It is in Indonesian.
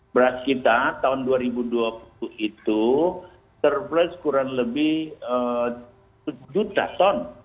beras kita tahun dua ribu dua puluh itu surplus kurang lebih juta ton